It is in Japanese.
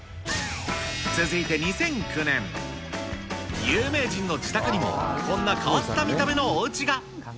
続いて２００９年、有名人の自宅にもこんな変わった見た目のおうちが。